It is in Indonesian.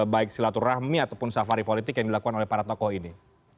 baik silaturahmi ataupun safari politik yang dilakukan oleh para tokoh ini